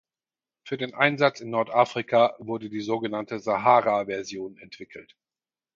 Für den Einsatz in Nordafrika wurde die sogenannte Sahara-Version entwickelt.